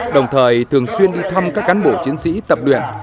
đồng thời thường xuyên đi thăm các cán bộ chiến sĩ tập luyện